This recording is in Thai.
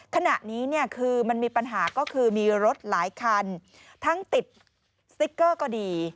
ขณะนี้เนี่ยคือมันมีปัญหาก็คือมีรถหลายคันทั้งติดสติ๊กเกอร์ก็ดี